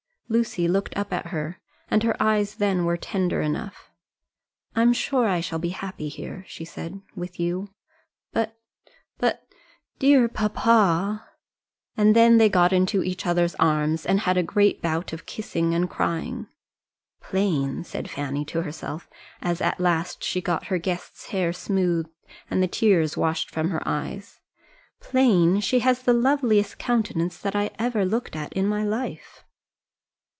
Lucy looked up at her, and her eyes then were tender enough. "I am sure I shall be happy here," she said, "with you. But but dear papa!" And then they got into each other's arms, and had a great bout of kissing and crying. "Plain," said Fanny to herself, as at last she got her guest's hair smoothed and the tears washed from her eyes "plain! She has the loveliest countenance that I ever looked at in my life!"